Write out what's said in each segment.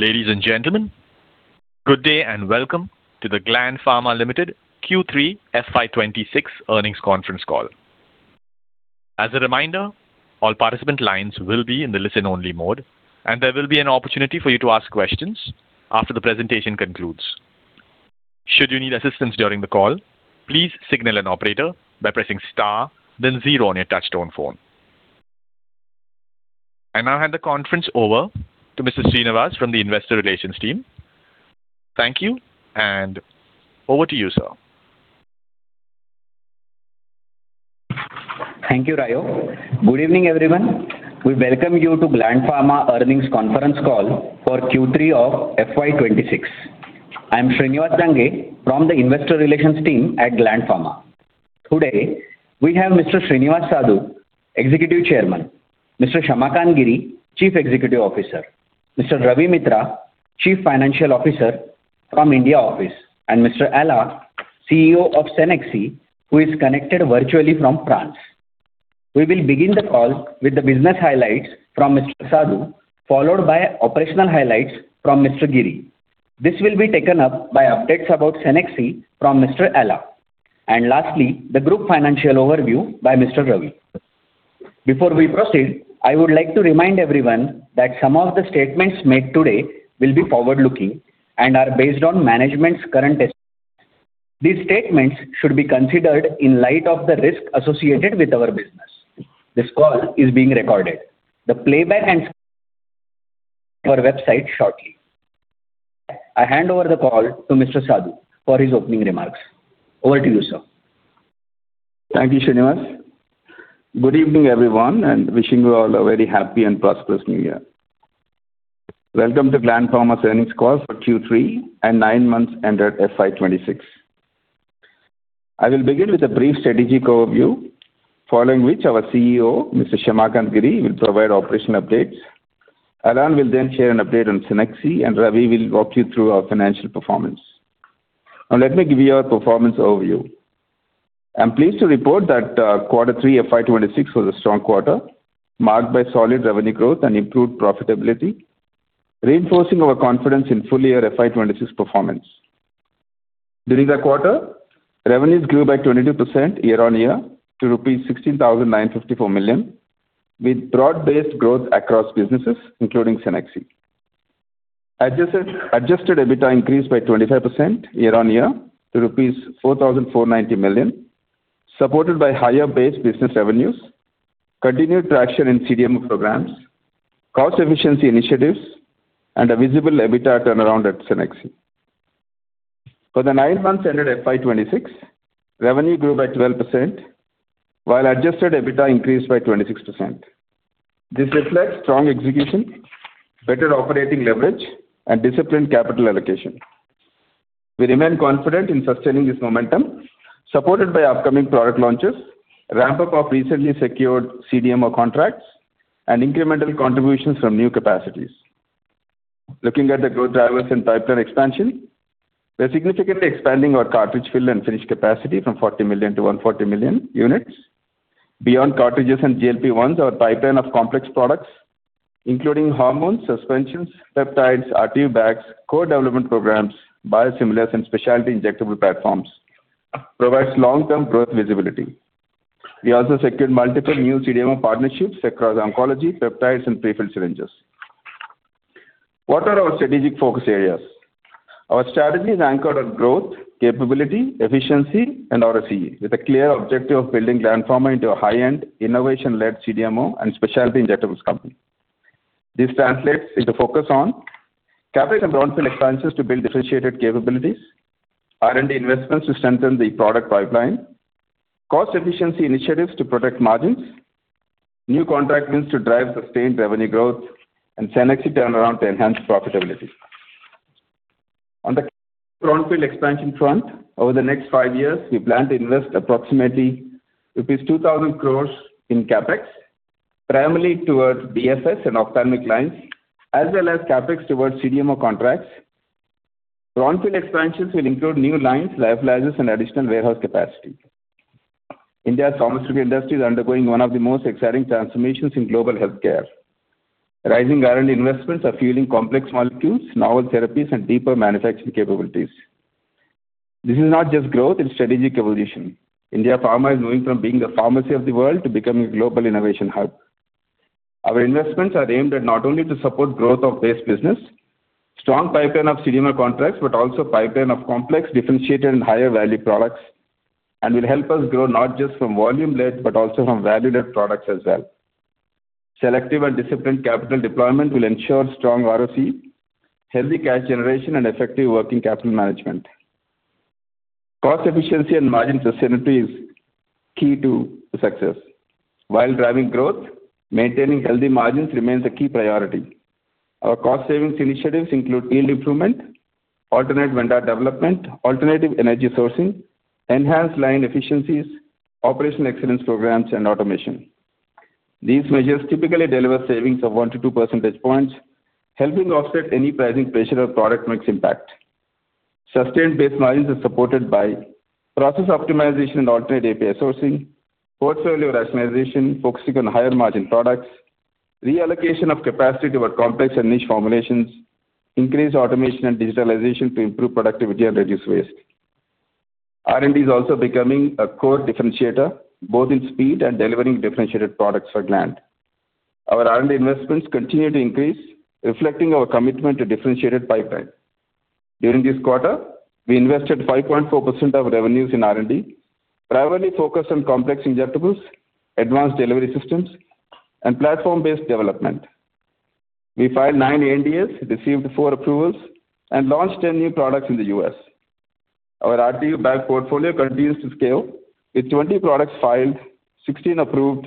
Ladies and gentlemen, good day, and welcome to the Gland Pharma Ltd Q3 FY 2026 earnings conference call. As a reminder, all participant lines will be in the listen-only mode, and there will be an opportunity for you to ask questions after the presentation concludes. Should you need assistance during the call, please signal an operator by pressing star, then zero on your touch-tone phone. I now hand the conference over to Mr. Shriniwas from the Investor Relations team. Thank you, and over to you, sir. Thank you, Rayo. Good evening, everyone. We welcome you to Gland Pharma earnings conference call for Q3 of FY 2026. I'm Shriniwas Dange from the Investor Relations team at Gland Pharma. Today, we have Mr. Srinivas Sadu, Executive Chairman, Mr. Shyamakant Giri, Chief Executive Officer, Mr. Ravi Mitra, Chief Financial Officer from India office, and Mr. Alain, CEO of Cenexi, who is connected virtually from France. We will begin the call with the business highlights from Mr. Sadu, followed by operational highlights from Mr. Giri. This will be taken up by updates about Cenexi from Mr. Alain, and lastly, the group financial overview by Mr. Ravi. Before we proceed, I would like to remind everyone that some of the statements made today will be forward-looking and are based on management's current estimates. These statements should be considered in light of the risk associated with our business. This call is being recorded. The playback and our website shortly. I hand over the call to Mr. Sadu for his opening remarks. Over to you, sir. Thank you, Shriniwas. Good evening, everyone, and wishing you all a very happy and prosperous New Year. Welcome to Gland Pharma's earnings call for Q3 and nine months ended FY 2026. I will begin with a brief strategic overview, following which our CEO, Mr. Shyamakant Giri, will provide operational updates. Alain will then share an update on Cenexi, and Ravi will walk you through our financial performance. Now, let me give you our performance overview. I'm pleased to report that quarter three FY 2026 was a strong quarter, marked by solid revenue growth and improved profitability, reinforcing our confidence in full year FY 2026 performance. During the quarter, revenues grew by 22% year-on-year to rupees 1,695.4 crore, with broad-based growth across businesses, including Cenexi. Adjusted EBITDA increased by 25% year-on-year to rupees 449 crore, supported by higher base business revenues, continued traction in CDMO programs, cost efficiency initiatives, and a visible EBITDA turnaround at Cenexi. For the nine months ended FY 2026, revenue grew by 12%, while adjusted EBITDA increased by 26%. This reflects strong execution, better operating leverage, and disciplined capital allocation. We remain confident in sustaining this momentum, supported by upcoming product launches, ramp-up of recently secured CDMO contracts, and incremental contributions from new capacities. Looking at the growth drivers and pipeline expansion, we're significantly expanding our cartridge fill and finish capacity from 40 million to 140 million units. Beyond cartridges and GLP-1s, our pipeline of complex products, including hormones, suspensions, peptides, RTU bags, co-development programs, biosimilars, and specialty injectable platforms, provides long-term growth visibility. We also secured multiple new CDMO partnerships across oncology, peptides, and pre-filled syringes. What are our strategic focus areas? Our strategy is anchored on growth, capability, efficiency, and ROCE, with a clear objective of building Gland Pharma into a high-end, innovation-led CDMO and specialty injectables company. This translates into focus on CapEx and brownfield expansions to build differentiated capabilities, R&D investments to strengthen the product pipeline, cost efficiency initiatives to protect margins, new contract wins to drive sustained revenue growth, and Cenexi turnaround to enhance profitability. On the brownfield expansion front, over the next five years, we plan to invest approximately rupees 2,000 crore in CapEx, primarily towards BFS and ophthalmic lines, as well as CapEx towards CDMO contracts. Brownfield expansions will include new lines, lifelines, and additional warehouse capacity. India's pharmaceutical industry is undergoing one of the most exciting transformations in global healthcare. Rising R&D investments are fueling complex molecules, novel therapies, and deeper manufacturing capabilities. This is not just growth, it's strategic evolution. India pharma is moving from being the pharmacy of the world to becoming a global innovation hub. Our investments are aimed at not only to support growth of base business, strong pipeline of CDMO contracts, but also pipeline of complex, differentiated, and higher value products, and will help us grow not just from volume-led, but also from value-led products as well. Selective and disciplined capital deployment will ensure strong ROC, healthy cash generation, and effective working capital management. Cost efficiency and margin sustainability is key to success. While driving growth, maintaining healthy margins remains a key priority. Our cost savings initiatives include yield improvement, alternate vendor development, alternative energy sourcing, enhanced line efficiencies, operational excellence programs, and automation. These measures typically deliver savings of 1-2 percentage points, helping offset any pricing pressure or product mix impact. Sustained base business is supported by process optimization and alternate API sourcing, portfolio rationalization focusing on higher-margin products, reallocation of capacity toward complex and niche formulations, increased automation and digitalization to improve productivity and reduce waste. R&D is also becoming a core differentiator, both in speed and delivering differentiated products for Gland. Our R&D investments continue to increase, reflecting our commitment to differentiated pipeline. During this quarter, we invested 5.4% of revenues in R&D, primarily focused on complex injectables, advanced delivery systems, and platform-based development. We filed nine ANDAs, received four approvals, and launched 10 new products in the U.S. Our RTU bag portfolio continues to scale, with 20 products filed, 16 approved,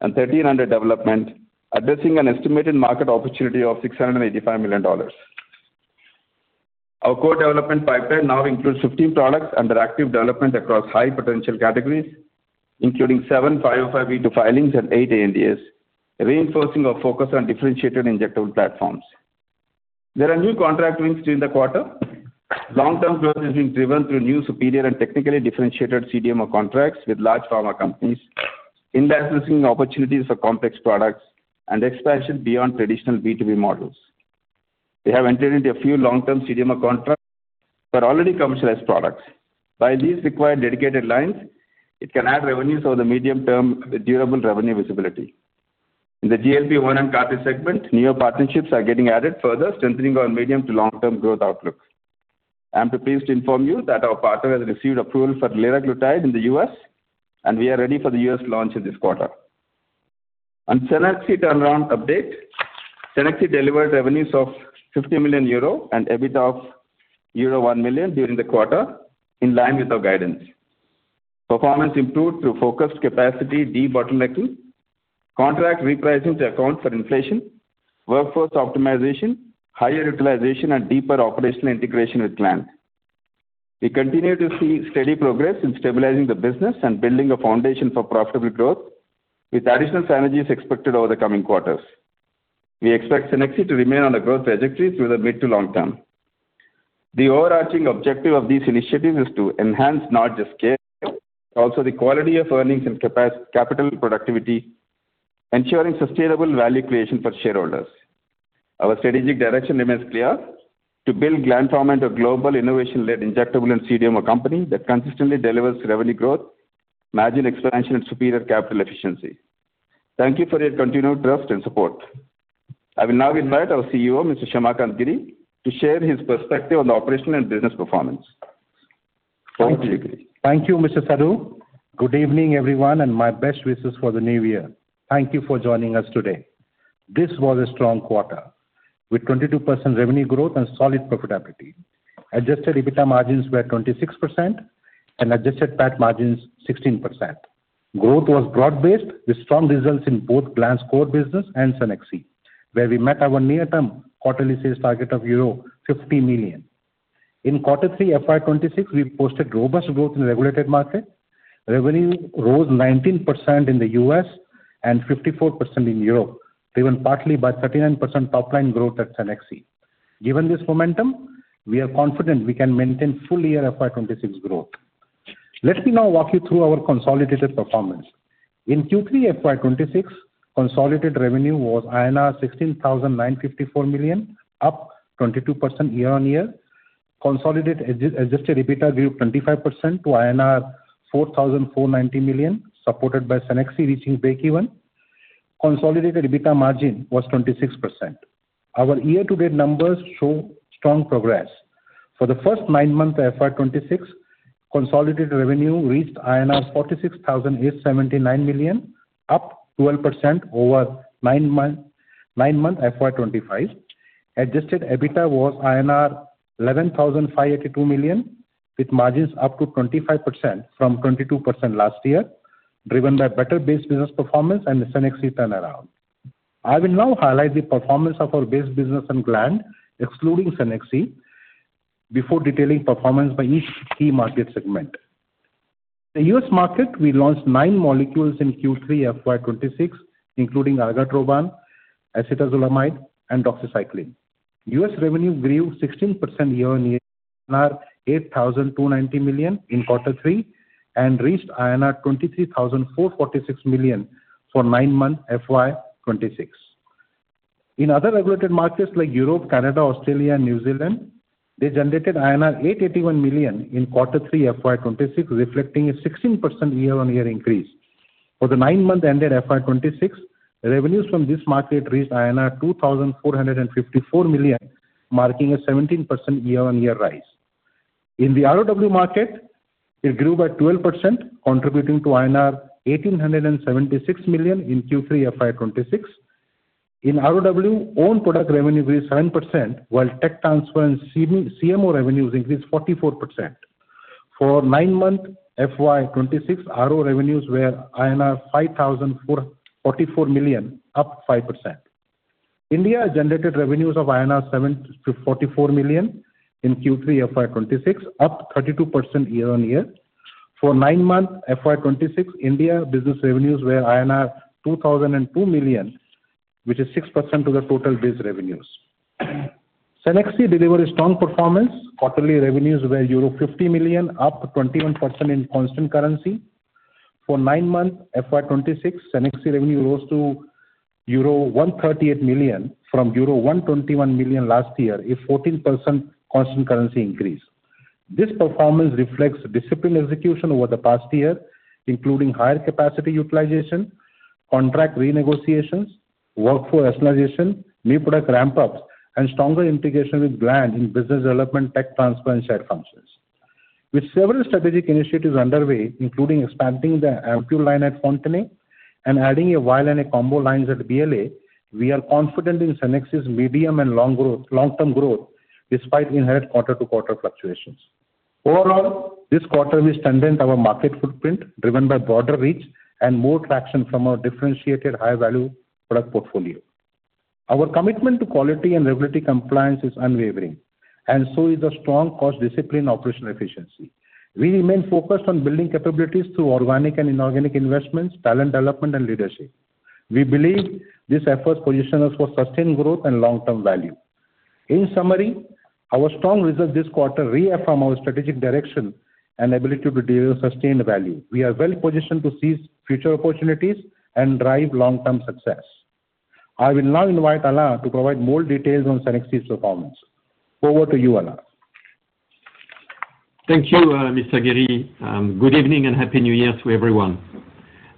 and 13 under development, addressing an estimated market opportunity of $685 million. Our core development pipeline now includes 15 products under active development across high-potential categories, including seven 505(b)(2) filings and eight ANDAs, reinforcing our focus on differentiated injectable platforms. There are new contract wins during the quarter. Long-term growth is being driven through new, superior, and technically differentiated CDMO contracts with large pharma companies, in addressing opportunities for complex products and expansion beyond traditional B2B models. We have entered into a few long-term CDMO contracts for already commercialized products. While these require dedicated lines, it can add revenues over the medium term with durable revenue visibility. In the GLP-1 and CAR-T segment, new partnerships are getting added, further strengthening our medium to long-term growth outlook. I'm pleased to inform you that our partner has received approval for liraglutide in the U.S., and we are ready for the U.S. launch in this quarter. On Cenexi turnaround update, Cenexi delivered revenues of 50 million euro and EBITDA of euro 1 million during the quarter, in line with our guidance. Performance improved through focused capacity debottlenecking, contract repricing to account for inflation, workforce optimization, higher utilization, and deeper operational integration with Gland. We continue to see steady progress in stabilizing the business and building a foundation for profitable growth, with additional synergies expected over the coming quarters. We expect Cenexi to remain on a growth trajectory through the mid to long term. The overarching objective of these initiatives is to enhance not just scale, but also the quality of earnings and capital productivity, ensuring sustainable value creation for shareholders. Our strategic direction remains clear: to build Gland Pharma into a global, innovation-led, injectable and CDMO company that consistently delivers revenue growth, margin expansion, and superior capital efficiency. Thank you for your continued trust and support. I will now invite our CEO, Mr. Shyamakant Giri, to share his perspective on the operational and business performance. Over to you. Thank you, Mr. Sadu. Good evening, everyone, and my best wishes for the new year. Thank you for joining us today. This was a strong quarter, with 22% revenue growth and solid profitability. Adjusted EBITDA margins were 26% and adjusted PAT margins 16%. Growth was broad-based, with strong results in both Gland's core business and Cenexi, where we met our near-term quarterly sales target of euro 50 million. In quarter three FY 2026, we posted robust growth in regulated markets. Revenue rose 19% in the U.S. and 54% in Europe, driven partly by 39% top-line growth at Cenexi. Given this momentum, we are confident we can maintain full-year FY 2026 growth. Let me now walk you through our consolidated performance. In Q3 FY 2026, consolidated revenue was INR 1,695.4 crore, up 22% year-on-year. Consolidated adjusted EBITDA grew 25% to INR 449 crore, supported by Cenexi reaching breakeven. Consolidated EBITDA margin was 26%. Our year-to-date numbers show strong progress. For the first nine months of FY 2026, consolidated revenue reached INR 4,687.9 crore, up 12% over nine months FY 2025. Adjusted EBITDA was INR 1,158.2 crore, with margins up to 25% from 22% last year, driven by better base business performance and the Cenexi turnaround. I will now highlight the performance of our base business and Gland, excluding Cenexi, before detailing performance by each key market segment. The U.S. market, we launched nine molecules in Q3 FY 2026, including Argatroban, Acetazolamide, and Doxycycline. U.S. revenue grew 16% year-over-year, 829 crore in quarter three, and reached 2,344.6 crore for nine months FY 2026. In other regulated markets like Europe, Canada, Australia, and New Zealand, they generated INR 88.1 crore in quarter three FY 2026, reflecting a 16% year-over-year increase. For the nine months ended FY 2026, revenues from this market reached INR 245.4 crore, marking a 17% year-over-year rise. In the RoW market, it grew by 12%, contributing to INR 187.6 crore in Q3 FY 2026. In RoW, own product revenue grew 7%, while tech transfer and CMO revenues increased 44%. For nine-month FY 2026, RoW revenues were INR 544.4 crore, up 5%. India generated revenues of 0.7 crore-4.4 crore INR in Q3 FY 2026, up 32% year-on-year. For nine-month FY 2026, India business revenues were INR 200.2 crore, which is 6% to the total base revenues. Cenexi delivered a strong performance. Quarterly revenues were euro 50 million, up 21% in constant currency. For nine months, FY 2026, Cenexi revenue rose to euro 138 million from euro 121 million last year, a 14% constant currency increase. This performance reflects disciplined execution over the past year, including higher capacity utilization, contract renegotiations, workflow rationalization, new product ramp-ups, and stronger integration with Gland in business development, tech transfer, and shared functions. With several strategic initiatives underway, including expanding the ampoule line at Fontenay and adding a vial and a combo lines at BLA, we are confident in Cenexi's medium- and long-term growth, despite inherent quarter-to-quarter fluctuations. Overall, this quarter, we strengthened our market footprint, driven by broader reach and more traction from our differentiated high-value product portfolio. Our commitment to quality and regulatory compliance is unwavering, and so is the strong cost discipline, operational efficiency. We remain focused on building capabilities through organic and inorganic investments, talent development, and leadership. We believe these efforts position us for sustained growth and long-term value. In summary, our strong results this quarter reaffirm our strategic direction and ability to deliver sustained value. We are well positioned to seize future opportunities and drive long-term success. I will now invite Alain to provide more details on Cenexi's performance. Over to you, Alain. Thank you, Mr. Giri. Good evening, and happy New Year to everyone.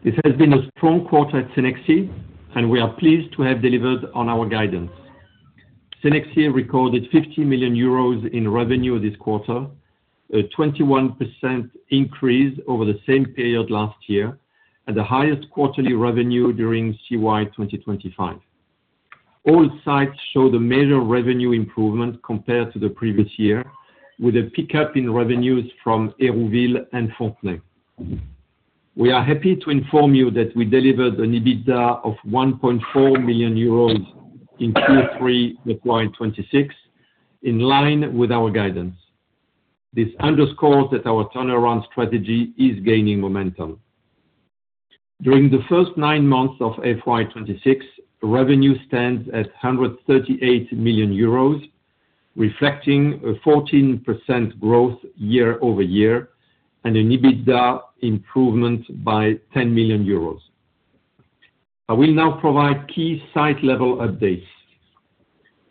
This has been a strong quarter at Cenexi, and we are pleased to have delivered on our guidance. Cenexi recorded 50 million euros in revenue this quarter, a 21% increase over the same period last year, and the highest quarterly revenue during CY 2025. All sites showed a major revenue improvement compared to the previous year, with a pickup in revenues from Hérouville and Fontenay. We are happy to inform you that we delivered an EBITDA of 1.4 million euros in Q3 of FY 2026, in line with our guidance. This underscores that our turnaround strategy is gaining momentum. During the first nine months of FY 2026, revenue stands at 138 million euros, reflecting a 14% growth year-over-year, and an EBITDA improvement by 10 million euros. I will now provide key site level updates.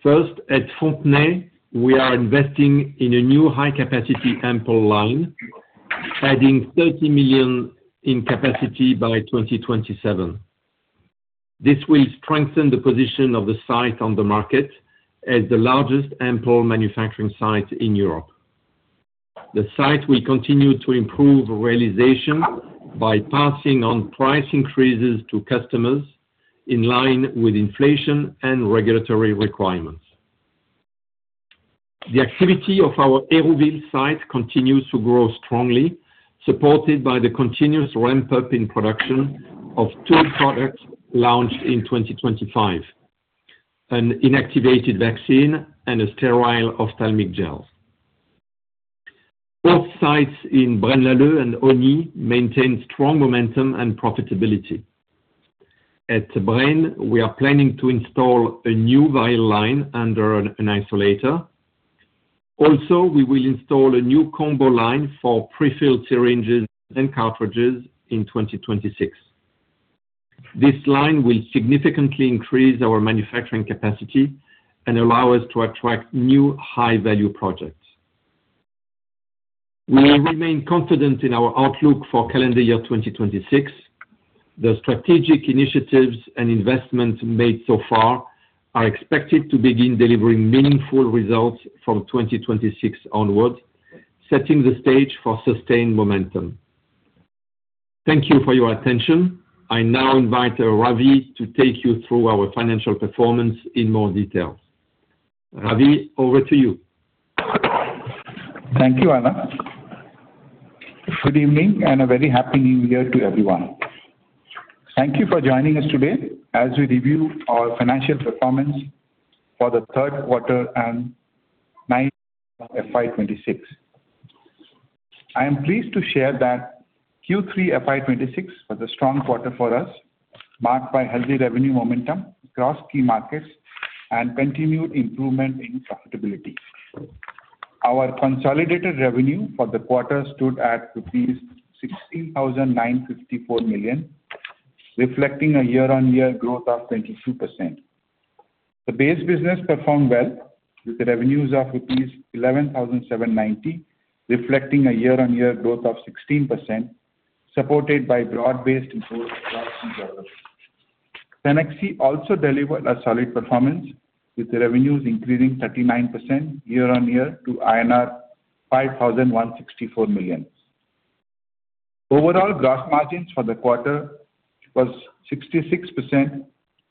First, at Fontenay, we are investing in a new high-capacity ampoule line, 30 million in capacity by 2027. This will strengthen the position of the site on the market as the largest ampoule manufacturing site in Europe. The site will continue to improve realization by passing on price increases to customers in line with inflation and regulatory requirements. The activity of our Hérouville site continues to grow strongly, supported by the continuous ramp-up in production of two products launched in 2025, an inactivated vaccine and a sterile ophthalmic gel. Both sites in Braine-l'Alleud and Osny maintain strong momentum and profitability. At Braine, we are planning to install a new vial line under an isolator. Also, we will install a new combo line for prefill syringes and cartridges in 2026. This line will significantly increase our manufacturing capacity and allow us to attract new high-value projects. We remain confident in our outlook for calendar year 2026. The strategic initiatives and investments made so far are expected to begin delivering meaningful results from 2026 onwards, setting the stage for sustained momentum. Thank you for your attention. I now invite Ravi to take you through our financial performance in more detail. Ravi, over to you. Thank you, Alain. Good evening, and a very Happy New Year to everyone. Thank you for joining us today as we review our financial performance for the third quarter and nine months FY 2026. I am pleased to share that Q3 FY 2026 was a strong quarter for us, marked by healthy revenue momentum across key markets and continued improvement in profitability. Our consolidated revenue for the quarter stood at rupees 1,695.4 crore, reflecting a year-on-year growth of 22%. The base business performed well, with revenues of rupees 1,179 crore, reflecting a year-on-year growth of 16%, supported by broad-based improved gross margins. Cenexi also delivered a solid performance, with revenues increasing 39% year-on-year to INR 516.4 crore. Overall, gross margins for the quarter was 66%,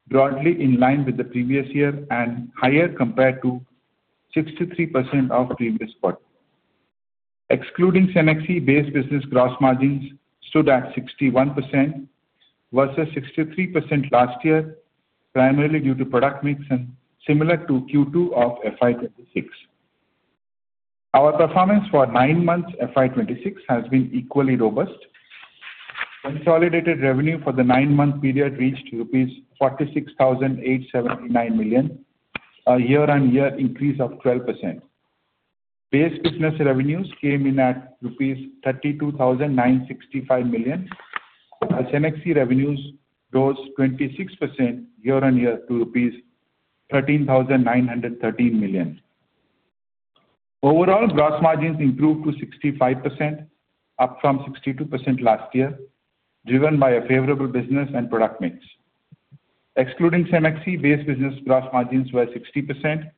broadly in line with the previous year and higher compared to 63% of previous quarter. Excluding Cenexi base business, gross margins stood at 61% versus 63% last year, primarily due to product mix and similar to Q2 of FY 2026. Our performance for nine months, FY 2026, has been equally robust. Consolidated revenue for the nine-month period reached rupees 4,687.9 crore, a year-on-year increase of 12%. Base business revenues came in at rupees 3,296.5 crore, as Cenexi revenues rose 26% year-on-year to rupees 1,391.3 crore. Overall, gross margins improved to 65%, up from 62% last year, driven by a favorable business and product mix. Excluding Cenexi, base business gross margins were 60%,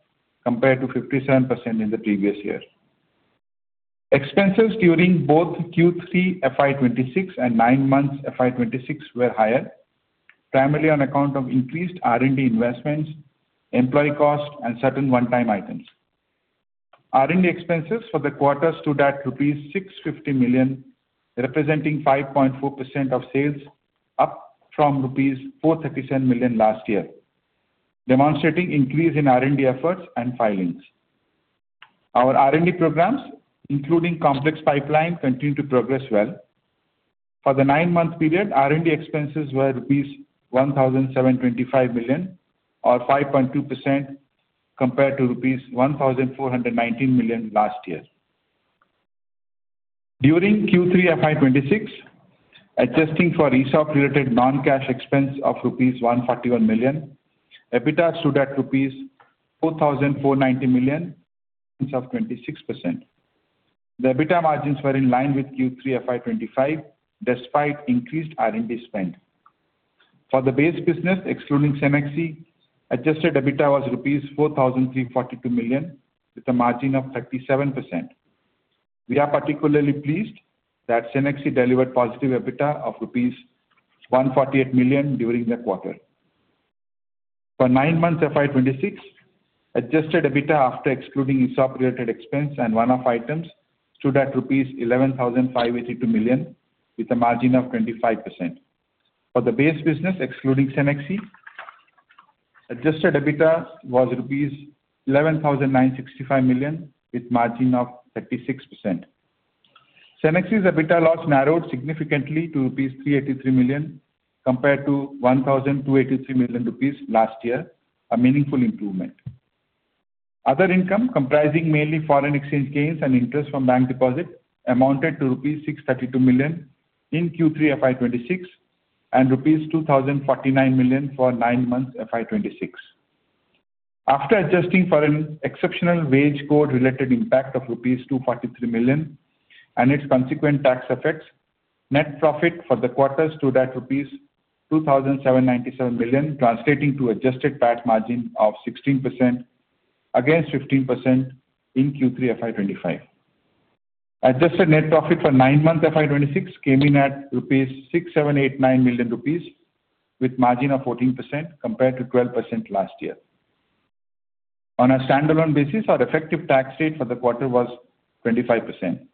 compared to 57% in the previous year. Expenses during both Q3 FY 2026 and nine months FY 2026 were higher, primarily on account of increased R&D investments, employee costs, and certain one-time items. R&D expenses for the quarter stood at rupees 65 crore, representing 5.4% of sales, up from rupees 43.7 crore last year, demonstrating increase in R&D efforts and filings. Our R&D programs, including complex pipeline, continue to progress well. For the nine-month period, R&D expenses were rupees 172.5 crore, or 5.2%, compared to rupees 141.9 crore last year. During Q3 FY 2026, adjusting for ESOP-related non-cash expense of rupees 14.1 crore, EBITDA stood at rupees 449 crore, of 26%. The EBITDA margins were in line with Q3 FY25, despite increased R&D spend. For the base business, excluding Cenexi, adjusted EBITDA was 434.2 crore rupees, with a margin of 37%. We are particularly pleased that Cenexi delivered positive EBITDA of rupees 14.8 crore during the quarter. For nine months FY 2026, adjusted EBITDA, after excluding ESOP-related expense and one-off items, stood at rupees 1,158.2 crore with a margin of 25%. For the base business, excluding Cenexi, adjusted EBITDA was rupees 1,196.5 crore, with margin of 36%. Cenexi's EBITDA loss narrowed significantly to rupees 38.3 crore compared to 128.1 crore rupees last year, a meaningful improvement. Other income, comprising mainly foreign exchange gains and interest from bank deposits, amounted to rupees 63.2 crore in Q3 FY 2026 and rupees 204.9 crore for nine months FY 2026. After adjusting for an exceptional wage code related impact of rupees 24.3 crore and its consequent tax effects, net profit for the quarter stood at rupees 279.7 crore, translating to adjusted PAT margin of 16% against 15% in Q3 FY 2025. Adjusted net profit for nine months FY 2026 came in at 678.9 crore rupees with margin of 14%, compared to 12% last year. On a standalone basis, our effective tax rate for the quarter was 25%.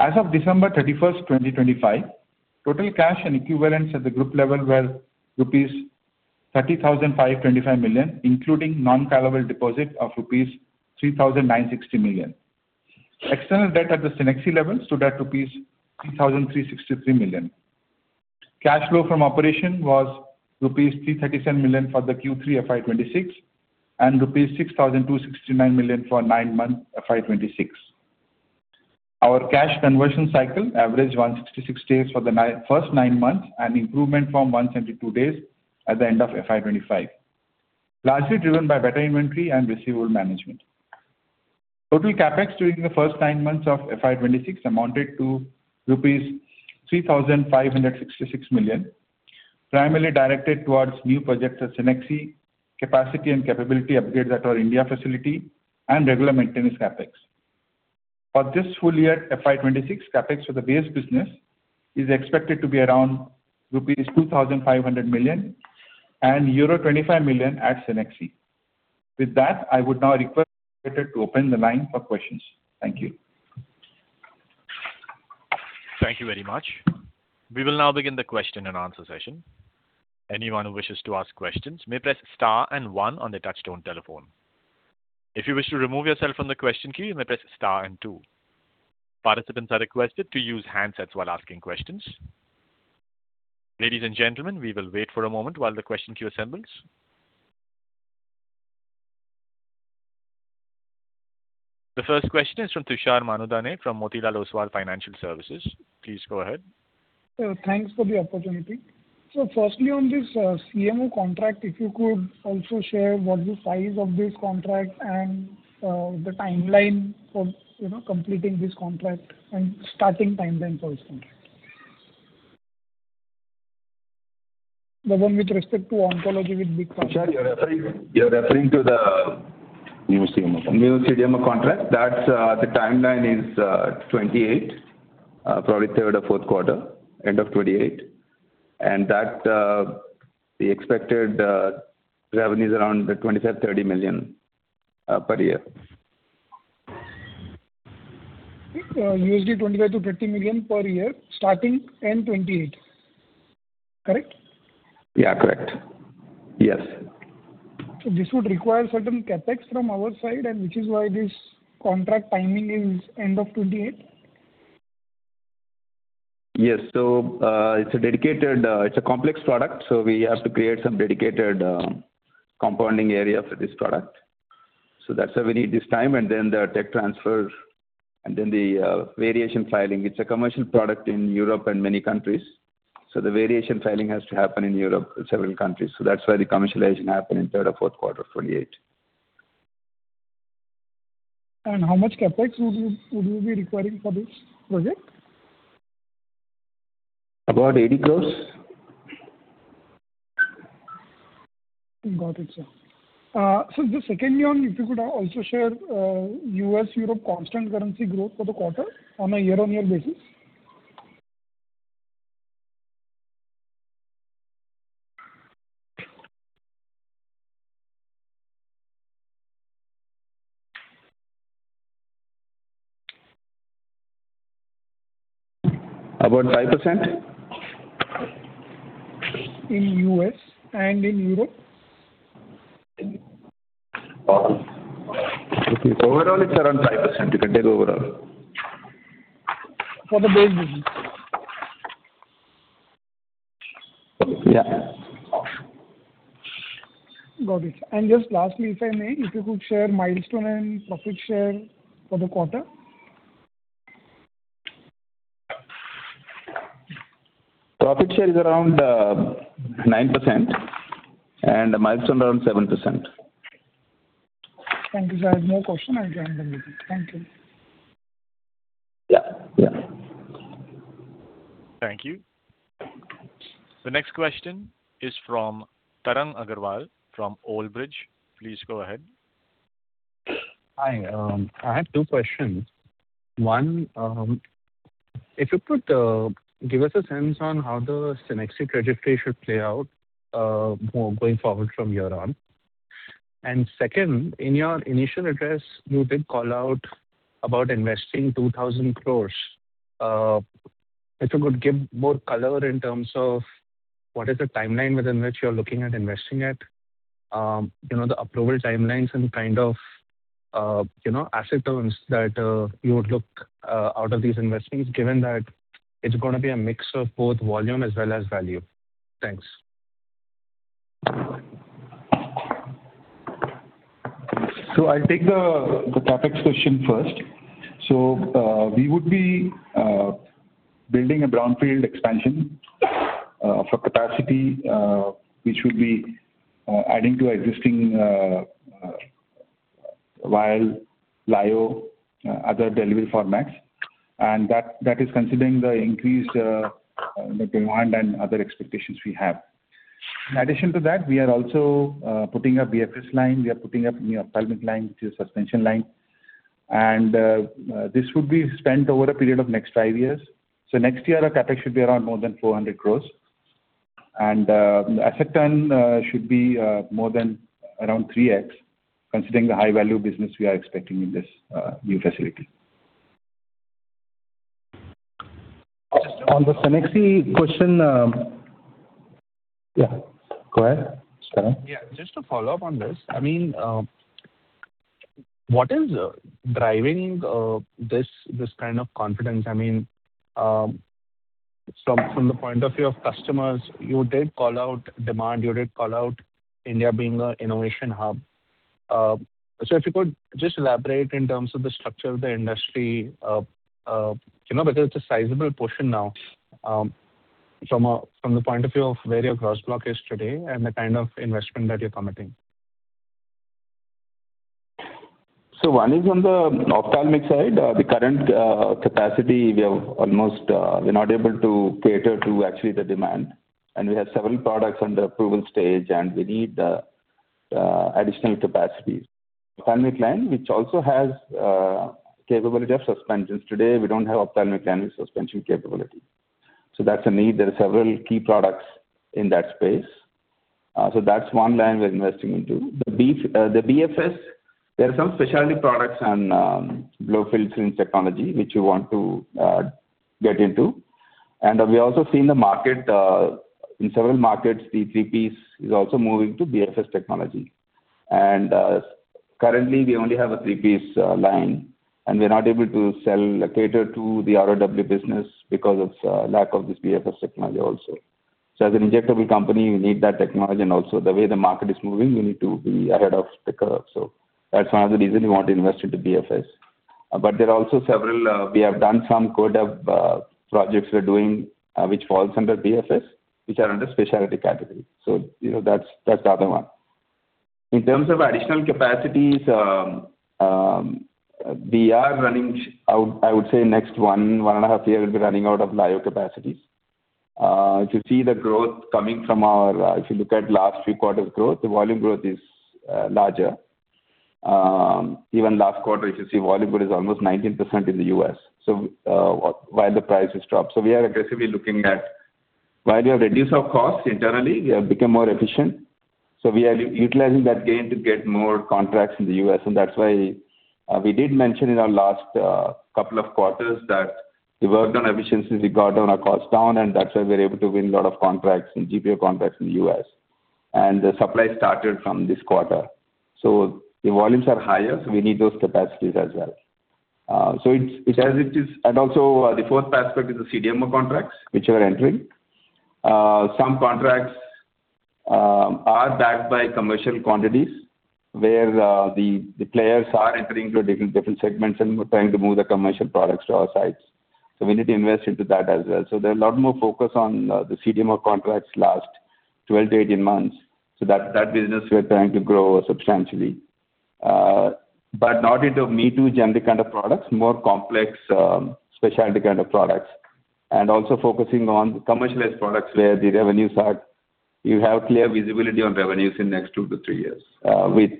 As of December 31st, 2025, total cash and equivalents at the group level were rupees 3,052.5 crore, including non-callable deposit of rupees 396 crore. External debt at the Cenexi level stood at rupees 336.3 crore. Cash flow from operation was rupees 33.7 crore for the Q3 FY 2026, and rupees 626.9 crore for nine months FY 2026. Our cash conversion cycle averaged 166 days for the first nine months, an improvement from 172 days at the end of FY 2025, largely driven by better inventory and receivable management. Total CapEx during the first nine months of FY 2026 amounted to rupees 356.6 crore, primarily directed towards new projects at Cenexi, capacity and capability upgrades at our India facility, and regular maintenance CapEx. For this full year, FY 2026, CapEx for the base business is expected to be around rupees 250 crore and euro 25 million at Cenexi. With that, I would now request to open the line for questions. Thank you. Thank you very much. We will now begin the question-and-answer session. Anyone who wishes to ask questions may press star and one on the touch-tone telephone. If you wish to remove yourself from the question queue, you may press star and two. Participants are requested to use handsets while asking questions. Ladies and gentlemen, we will wait for a moment while the question queue assembles. The first question is from Tushar Manudhane from Motilal Oswal Financial Services. Please go ahead. Thanks for the opportunity. So firstly, on this CMO contract, if you could also share what the size of this contract and the timeline for, you know, completing this contract and starting timeline for this contract? The one with respect to oncology with big company. Tushar, you're referring to the- New CMO contract. New CMO contract. That's the timeline is 2028, probably third or fourth quarter, end of 2028. And that the expected revenue is INR 2.5 crore-INR 3 crore per year. INR 2.5 crore-INR 3 crore per year, starting end 2028, correct? Yeah, correct. Yes. This would require certain CapEx from our side, and which is why this contract timing is end of 2028? Yes. So, it's a dedicated, it's a complex product, so we have to create some dedicated, compounding area for this product. So that's why we need this time, and then the tech transfer, and then the, variation filing. It's a commercial product in Europe and many countries, so the variation filing has to happen in Europe, several countries. So that's why the commercialization happen in third or fourth quarter of 2028. How much CapEx would you be requiring for this project? About 80 crore. Got it, sir. So just secondly, on if you could also share, U.S., Europe constant currency growth for the quarter on a year-on-year basis. About 5%. In U.S. and in Europe? Overall, it's around 5%, if you take overall. For the base business? Yeah. Got it. And just lastly, if I may, if you could share milestone and profit share for the quarter. Profit share is around 9%, and milestone around 7%. Thank you, sir. I have no question. I'll join the meeting. Thank you. Yeah. Yeah. Thank you. The next question is from Tarang Agrawal from Old Bridge. Please go ahead. Hi. I have two questions. One, if you could give us a sense on how the Cenexi trajectory should play out, more going forward from here on. And second, in your initial address, you did call out about investing 2,000 crore. If you could give more color in terms of what is the timeline within which you're looking at investing it, you know, the approval timelines and kind of, you know, asset turns that you would look out of these investments, given that it's gonna be a mix of both volume as well as value. Thanks. So I'll take the CapEx question first. So, we would be building a brownfield expansion for capacity, which would be adding to existing while lyo other delivery formats. And that is considering the increased demand and other expectations we have. In addition to that, we are also putting a BFS line. We are putting up new ophthalmic line, which is suspension line. And this would be spent over a period of next 5 years. So next year, our CapEx should be around more than 400 crores. And the asset turn should be more than around 3x, considering the high-value business we are expecting in this new facility. On the Cenexi question, Yeah, go ahead, Tarang. Yeah, just to follow-up on this, I mean, what is driving this kind of confidence? I mean, from the point of view of customers, you did call out demand, you did call out India being an innovation hub. So if you could just elaborate in terms of the structure of the industry, you know, because it's a sizable portion now, from the point of view of where your gross block is today and the kind of investment that you're committing? So one is on the ophthalmic side. The current capacity, we have almost, we're not able to cater to actually the demand, and we have several products under approval stage, and we need additional capacities. Ophthalmic line, which also has capability of suspensions. Today, we don't have ophthalmic line suspension capability, so that's a need. There are several key products in that space. So that's one line we're investing into. The BFS, there are some specialty products and Blow-Fill-Seal technology which we want to get into. And we also see in the market, in several markets, the three-piece is also moving to BFS technology. And currently, we only have a three-piece line, and we're not able to sell or cater to the RoW business because of lack of this BFS technology also. So as an injectable company, we need that technology. And also the way the market is moving, we need to be ahead of the curve. So that's one of the reason we want to invest into BFS. But there are also several. We have done some CDMO projects we're doing, which falls under BFS, which are under specialty category. So, you know, that's the other one. In terms of additional capacities, we are running. I would say next one and a half year, we'll be running out of lyo capacities. If you see the growth coming from our, if you look at last three quarters growth, the volume growth is larger. Even last quarter, if you see, volume growth is almost 19% in the U.S., so while the price has dropped. While we have reduced our costs internally, we have become more efficient. So we are utilizing that gain to get more contracts in the U.S., and that's why we did mention in our last couple of quarters that we worked on efficiencies, we got our costs down, and that's why we're able to win a lot of contracts, and GPO contracts in the U.S. And the supply started from this quarter. So the volumes are higher, so we need those capacities as well. So it's as it is. And also, the fourth aspect is the CDMO contracts, which are entering. Some contracts are backed by commercial quantities, where the players are entering into different segments and trying to move the commercial products to our sites. So we need to invest into that as well. So there are a lot more focus on, the CDMO contracts last 12-18 months. So that, that business we are trying to grow substantially. But not into me-too generic kind of products, more complex, specialty kind of products, and also focusing on commercialized products, where the revenues are-- You have clear visibility on revenues in next 2-3 years, with,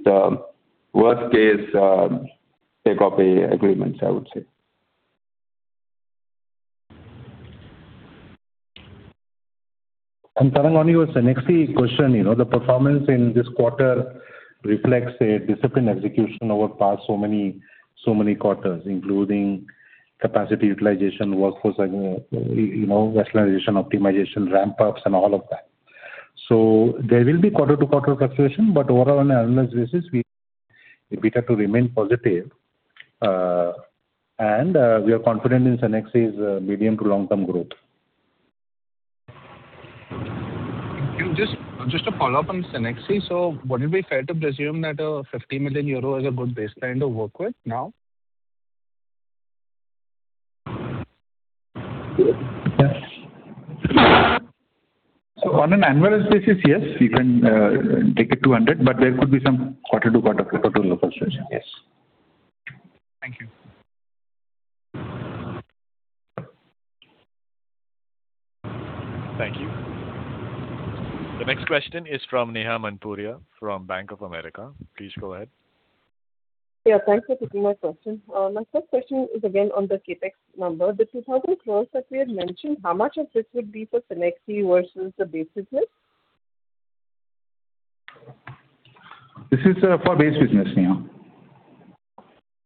worst case, take-off agreements, I would say. Tarang, on your Cenexi question, you know, the performance in this quarter reflects a disciplined execution over past so many, so many quarters, including capacity utilization, workforce, you know, rationalization, optimization, ramp-ups, and all of that. So there will be quarter-to-quarter fluctuation, but overall on an annualized basis, we expect EBITDA to remain positive, and we are confident in Cenexi's medium to long-term growth. Just a follow-up on Cenexi. So would it be fair to presume that 50 million euro is a good baseline to work with now? So on an annualized basis, yes, you can take it to 100, but there could be some quarter-to-quarter fluctuations. Yes. Thank you. Thank you. The next question is from Neha Manpuria from Bank of America. Please go ahead. Yeah, thanks for taking my question. My first question is again on the CapEx number. The 2,000 crore that we had mentioned, how much of this would be for Cenexi versus the base business? This is for base business, Neha.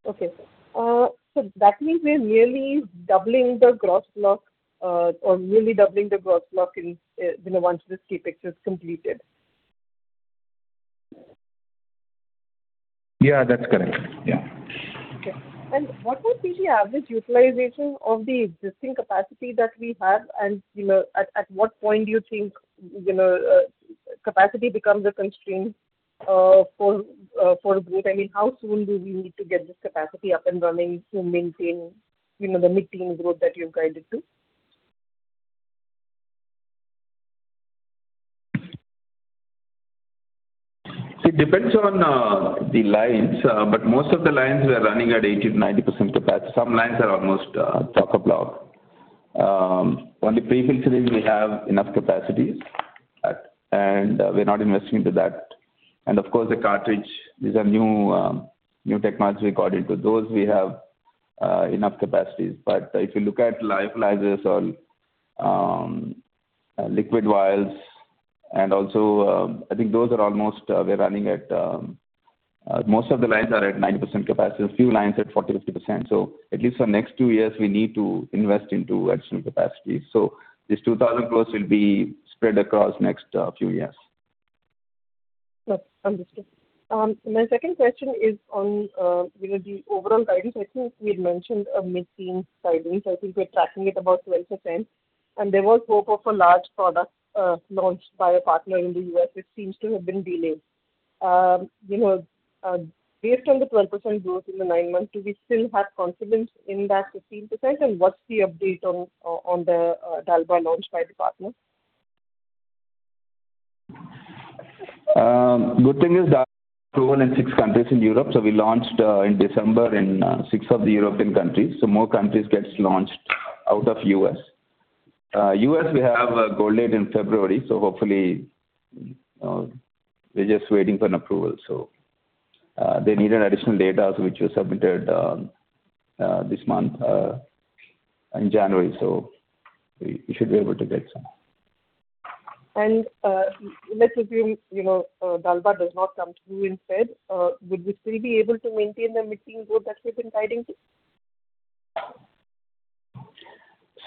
Okay, sir. So that means we're nearly doubling the gross block, or nearly doubling the gross block in, you know, once this CapEx is completed? Yeah, that's correct. Yeah. Okay. And what would be the average utilization of the existing capacity that we have? And, you know, at what point do you think, you know, capacity becomes a constraint for growth? I mean, how soon do we need to get this capacity up and running to maintain, you know, the mid-teen growth that you've guided to? It depends on the lines, but most of the lines we are running at 80%-90% capacity. Some lines are almost chock-a-block. On the pre-filtering, we have enough capacities, and we're not investing into that. And of course, the cartridge, these are new new technology we got into. Those we have enough capacities. But if you look at lyophilizers or liquid vials, and also, I think those are almost, we're running at most of the lines are at 90% capacity, a few lines at 40%-50%. So at least for next two years, we need to invest into additional capacity. So this 2,000 crore will be spread across next few years. Yes, understood. My second question is on, you know, the overall guidance. I think we had mentioned a mid-teen guidance. I think we're tracking it about 12%, and there was hope of a large product, launched by a partner in the U.S., which seems to have been delayed. You know, based on the 12% growth in the 9 months, do we still have confidence in that 15%? And what's the update on the Dalbavancin launch by the partner? Good thing is Dalbva approved in six countries in Europe, so we launched in December in six of the European countries, so more countries gets launched out of U.S. U.S., we have a go date in February, so hopefully, we're just waiting for an approval. So, they need an additional data, which was submitted this month in January, so we should be able to get some. Let's assume, you know, Dalbva does not come through instead. Would we still be able to maintain the mid-teen growth that we've been guiding to?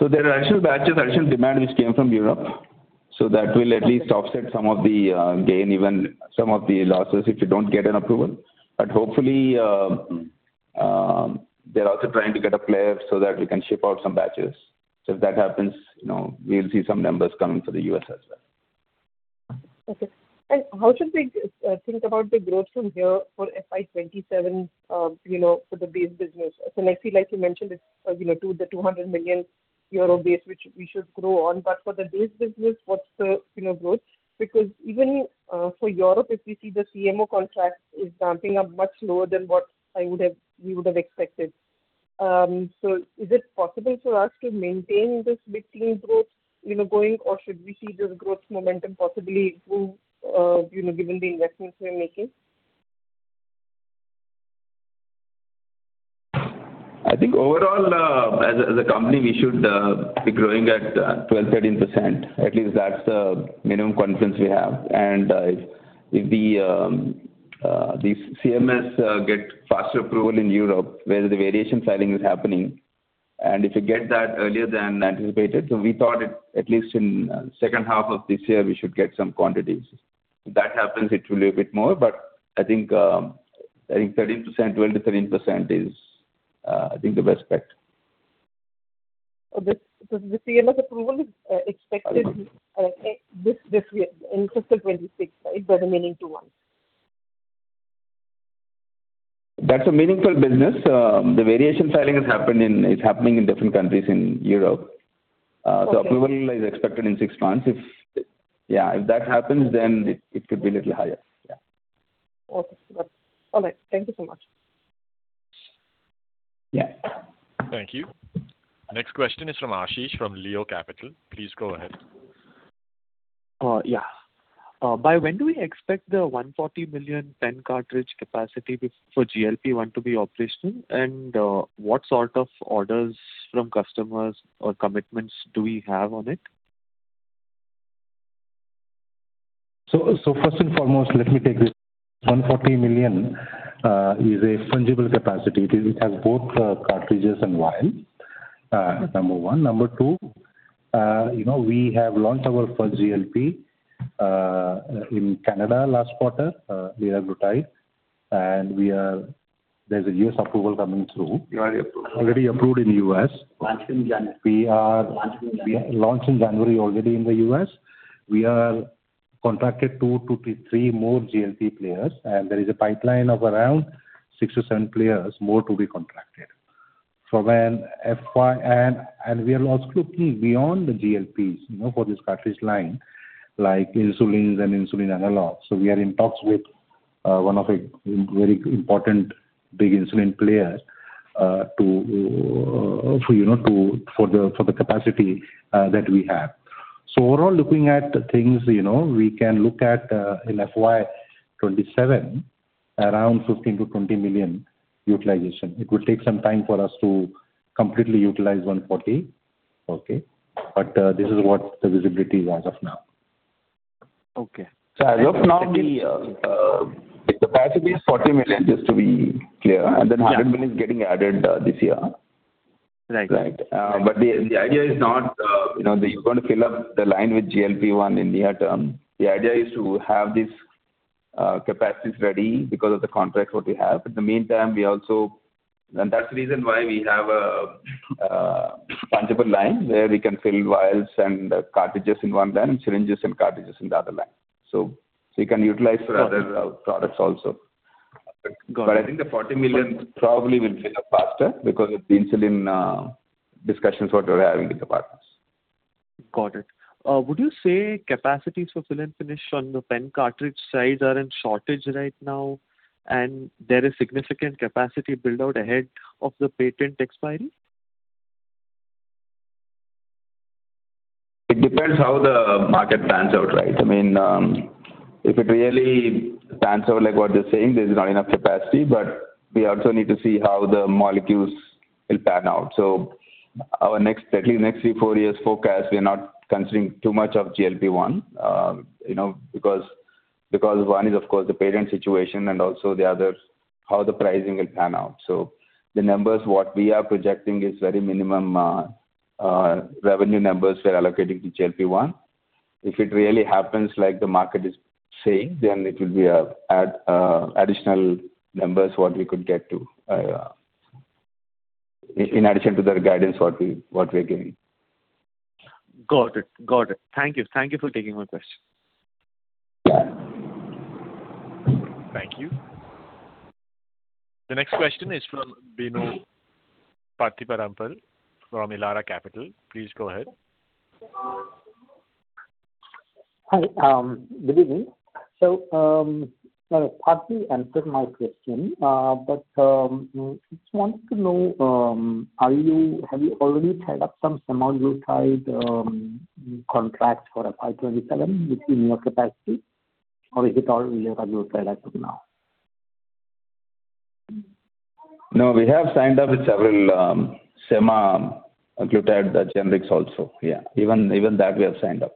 So there are actual batches, actual demand, which came from Europe, so that will at least offset some of the gain, even some of the losses, if you don't get an approval. But hopefully, they're also trying to get a player so that we can ship out some batches. So if that happens, you know, we'll see some numbers coming for the U.S. as well. Okay. And how should we think about the growth from here for FY 2027, you know, for the base business? Cenexi, like you mentioned, it's, you know, to the 200 million euro base, which we should grow on. But for the base business, what's the, you know, growth? Because even, for Europe, if we see the CMO contract is ramping up much slower than what we would have expected. So is it possible for us to maintain this mid-teen growth, you know, going, or should we see this growth momentum possibly improve, you know, given the investments we're making? I think overall, as a, as a company, we should be growing at 12%-13%. At least that's the minimum confidence we have. And if the CMS get faster approval in Europe, where the variation filing is happening, and if you get that earlier than anticipated, so we thought it at least in second half of this year, we should get some quantities. If that happens, it will be a bit more, but I think, I think 13%, 12%-13% is, I think the best bet. So the CMS approval is expected this year, in fiscal 2026, right? Does it mean in two months? That's a meaningful business. The variation filing is happening in different countries in Europe. Okay. Approval is expected in six months. Yeah, if that happens, then it could be a little higher. Yeah. Okay. All right. Thank you so much. Yeah. Thank you. Next question is from Ashish, from Leo Capital. Please go ahead. By when do we expect the 140 million pen cartridge capacity for GLP-1 to be operational? And, what sort of orders from customers or commitments do we have on it? So, first and foremost, let me take this. 140 million is a fungible capacity. It has both cartridges and vial, number one. Number two, you know, we have launched our first GLP in Canada last quarter, Liraglutide, and we are. There's a U.S. approval coming through. Already approved. Already approved in the U.S. Launched in January. We are- Launched in January. Launched in January already in the U.S. We are contracted 2-3 more GLP players, and there is a pipeline of around 6-7 players more to be contracted. So when FY... We are also looking beyond the GLPs, you know, for this cartridge line, like insulins and insulin analogs. So we are in talks with one of a very important big insulin player, to, for, you know, to, for the, for the capacity that we have. So overall, looking at things, you know, we can look at in FY 2027, around 15 million-20 million utilization. It will take some time for us to completely utilize 140. Okay? But this is what the visibility is as of now. Okay. So as of now, the capacity is 40 million, just to be clear, and then 100 million is getting added, this year. Right. Right. But the idea is not, you know, you're going to fill up the line with GLP-1 in near term. The idea is to have this capacities ready because of the contracts what we have. In the meantime, we also... And that's the reason why we have a fungible line, where we can fill vials and cartridges in one line, and syringes and cartridges in the other line. So you can utilize for other products also. Got it. But I think the 40 million probably will fill up faster because of the insulin discussions what we're having with the partners. Got it. Would you say capacities for fill and finish on the pen cartridge sides are in shortage right now, and there is significant capacity build-out ahead of the patent expiry? It depends how the market pans out, right? I mean, if it really pans out like what they're saying, there's not enough capacity, but we also need to see how the molecules will pan out. So our next, at least next three, four years forecast, we are not considering too much of GLP-1. You know, because, because one is, of course, the patent situation and also the other, how the pricing will pan out. So the numbers, what we are projecting is very minimum, revenue numbers we're allocating to GLP-1. If it really happens like the market is saying, then it will be a add, additional numbers what we could get to, in addition to the guidance what we, what we are giving. Got it. Got it. Thank you. Thank you for taking my question. Thank you. The next question is from Bino Pathiparampil, from Elara Capital. Please go ahead. Hi. Good evening. You partly answered my question, but just wanted to know, have you already tied up some Semaglutide contracts for FY 2027 within your capacity, or is it all Liraglutide as of now? No, we have signed up with several, Semaglutide, the generics also. Yeah, even, even that we have signed up.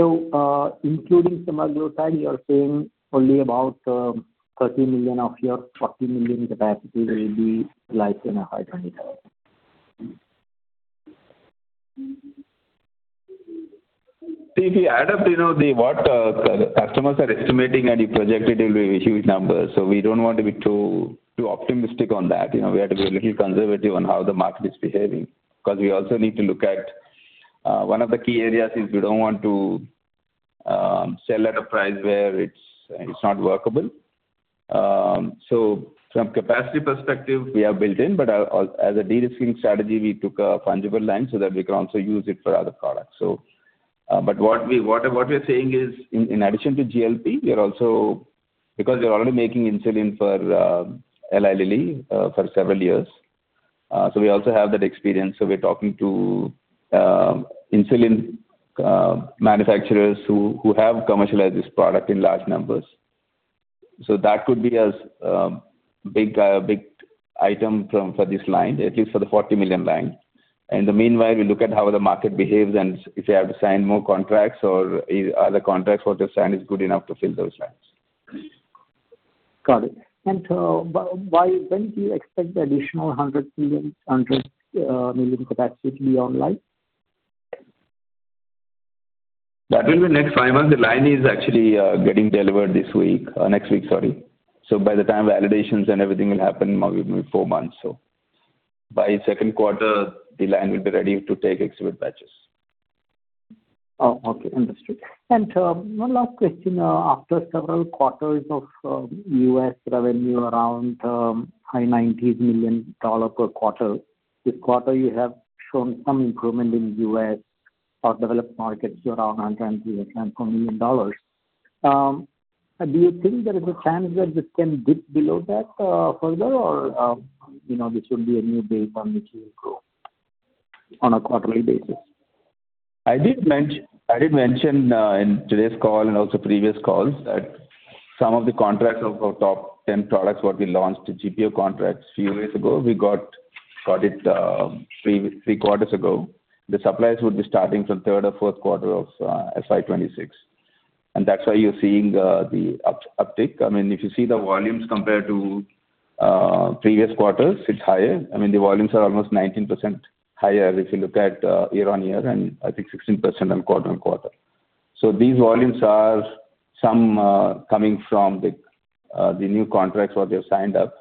So, including Semaglutide, you are saying only 30 million of your 40 million capacity will be utilized in FY 2027? See, if you add up, you know, what the customers are estimating, and you project it, it will be a huge number. So we don't want to be too optimistic on that. You know, we have to be a little conservative on how the market is behaving, because we also need to look at one of the key areas is we don't want to sell at a price where it's not workable. So from capacity perspective, we have built in, but as a de-risking strategy, we took a fungible line so that we can also use it for other products, so. But what we're saying is, in addition to GLP, we are also... Because we're already making insulin for Eli Lilly for several years, so we also have that experience. So we're talking to insulin manufacturers who have commercialized this product in large numbers. So that could be as big item for this line, at least for the 40 million line. In the meanwhile, we look at how the market behaves, and if we have to sign more contracts or if other contracts what they sign is good enough to fill those lines. Got it. And, but by when do you expect the additional 100 million capacity to be online? That will be next 5 months. The line is actually getting delivered this week, next week, sorry. So by the time validations and everything will happen, maybe 4 months. So by second quarter, the line will be ready to take exhibit batches. Oh, okay, understood. One last question. After several quarters of U.S. revenue around high $90 million per quarter, this quarter you have shown some improvement in U.S. or developed markets around $100 million. Do you think there is a chance that this can dip below that further? Or, you know, this would be a new base on which you will grow on a quarterly basis? I did mention in today's call and also previous calls, that some of the contracts of our top ten products, what we launched, the GPO contracts few years ago, we got it 3 quarters ago. The supplies would be starting from third or fourth quarter of FY 2026, and that's why you're seeing the uptick. I mean, if you see the volumes compared to previous quarters, it's higher. I mean, the volumes are almost 19% higher if you look at year-on-year, and I think 16% on quarter-on-quarter. So these volumes are some coming from the new contracts what we have signed up,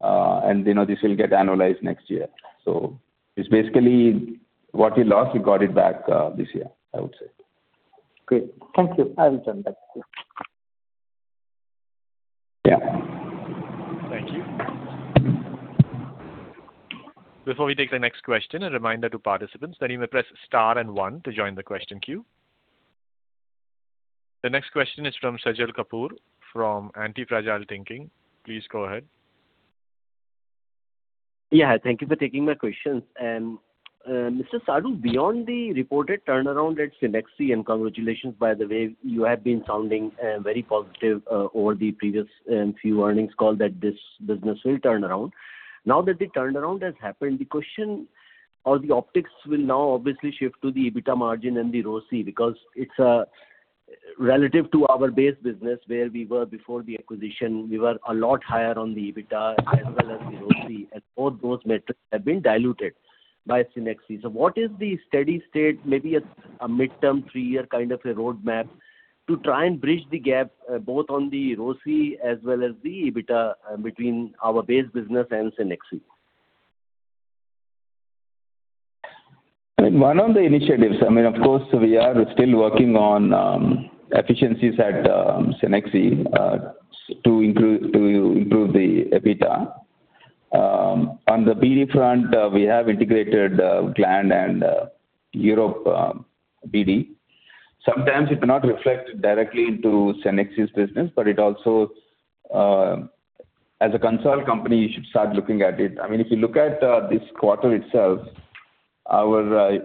and, you know, this will get annualized next year. So it's basically what we lost, we got it back this year, I would say. Great. Thank you. I will turn back to you. Yeah. Thank you. Before we take the next question, a reminder to participants that you may press star and one to join the question queue. The next question is from Sajal Kapoor, from Antifragile Thinking. Please go ahead. Yeah, thank you for taking my questions. And, Mr. Sadu, beyond the reported turnaround at Cenexi, and congratulations, by the way, you have been sounding very positive over the previous few earnings call that this business will turn around. Now that the turnaround has happened, the question or the optics will now obviously shift to the EBITDA margin and the ROCE, because it's relative to our base business, where we were before the acquisition, we were a lot higher on the EBITDA, as well as the ROCE, and both those metrics have been diluted by Cenexi. So what is the steady state, maybe a midterm, three-year kind of a roadmap, to try and bridge the gap both on the ROCE as well as the EBITDA between our base business and Cenexi? I mean, one of the initiatives, I mean, of course, we are still working on efficiencies at Cenexi to improve the EBITDA. On the BD front, we have integrated Gland and Europe BD. Sometimes it may not reflect directly into Cenexi business, but it also, as a concerned company, you should start looking at it. I mean, if you look at this quarter itself, our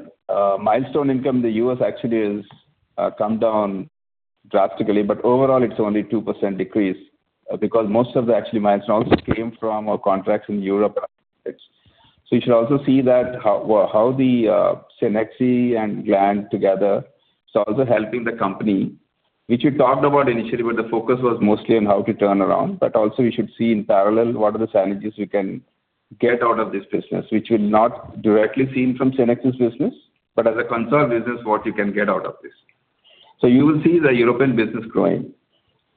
milestone income in the U.S. actually is come down drastically, but overall it's only 2% decrease because most of the actually milestones came from our contracts in Europe. So you should also see that how, well, how the Cenexi and Gland together is also helping the company, which we talked about initially, but the focus was mostly on how to turn around. But also you should see in parallel what are the synergies we can get out of this business, which will not directly seen from Cenexi business, but as a concerned business, what you can get out of this. So you will see the European business growing.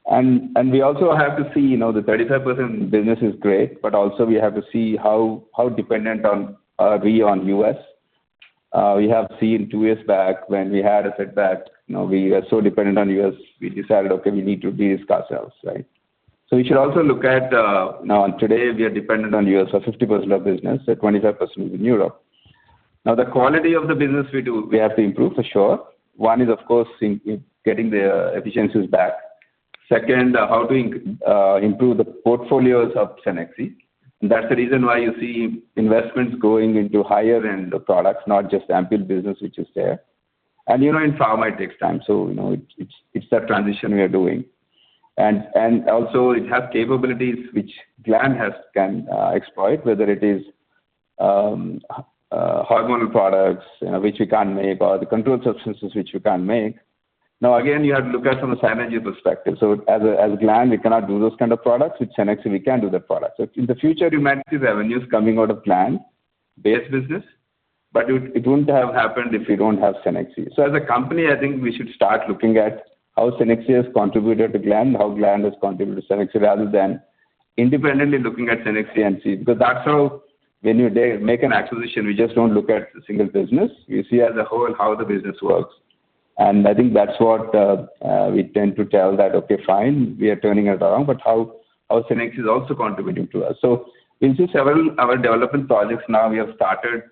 And we also have to see, you know, the 35% business is great, but also we have to see how dependent on, are we on U.S. We have seen two years back when we had a setback, you know, we are so dependent on U.S., we decided, okay, we need to de-risk ourselves, right? So we should also look at. Now, today, we are dependent on U.S. for 50% of business, so 25% is in Europe. Now, the quality of the business we do, we have to improve for sure. One is, of course, getting the efficiencies back. Second, how to improve the portfolios of Cenexi. That's the reason why you see investments going into higher-end products, not just ample business, which is there. And, you know, in pharma, it takes time. So you know, it's that transition we are doing. And also it has capabilities which Gland can exploit, whether it is hormonal products, you know, which we can't make, or the controlled substances, which we can't make. Now, again, you have to look at from a synergy perspective. So as Gland, we cannot do those kind of products. With Cenexi, we can do the products. So in the future, you might see revenues coming out of Gland base business, but it wouldn't have happened if we don't have Cenexi. So as a company, I think we should start looking at how Cenexi has contributed to Gland, how Gland has contributed to Cenexi, rather than independently looking at Cenexi and see. Because that's how when you make an acquisition, we just don't look at the single business. We see as a whole how the business works. And I think that's what we tend to tell that, "Okay, fine, we are turning it around, but how Cenexi is also contributing to us?" So you'll see several our development projects now, we have started-...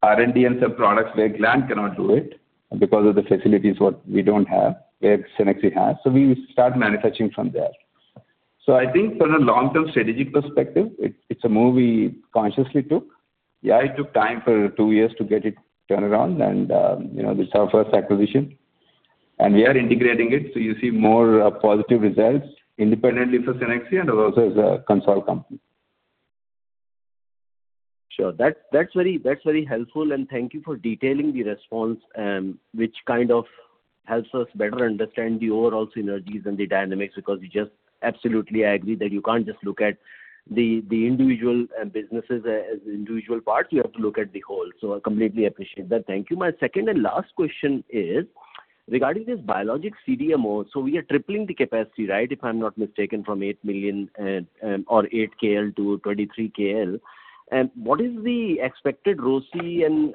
R&D and some products where Gland cannot do it because of the facilities what we don't have, where Cenexi has, so we start manufacturing from there. So I think from a long-term strategic perspective, it, it's a move we consciously took. Yeah, it took time for two years to get it turned around, and, you know, this is our first acquisition, and we are integrating it so you see more, positive results independently for Cenexi and also as a consolidated company. Sure. That's very helpful, and thank you for detailing the response, which kind of helps us better understand the overall synergies and the dynamics, because you just absolutely agree that you can't just look at the individual businesses as individual parts, you have to look at the whole. So I completely appreciate that. Thank you. My second and last question is regarding this biologic CDMO. So we are tripling the capacity, right? If I'm not mistaken, from 8 million or 8 KL to 23 KL. And what is the expected ROCE and